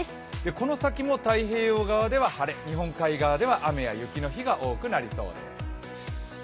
この先も太平洋側では晴れ日本海側では雨や雪のところがありそうです。